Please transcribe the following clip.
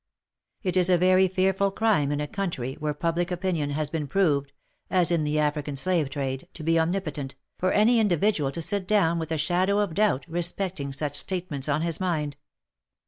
It is a very fearful crime in a country where public opinion has been proved (as in the African Slave Trade), to be omnipotent, for any in dividual to sit down with a shadow of doubt respecting such state ments on his mind.